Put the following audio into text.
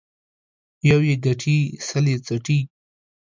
يو يې گټي ، سل يې څټي.